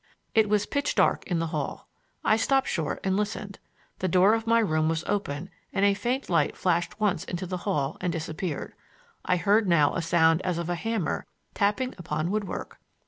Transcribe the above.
It was pitch dark in the hall. I stopped short and listened. The door of my room was open and a faint light flashed once into the hall and disappeared. I heard now a sound as of a hammer tapping upon wood work.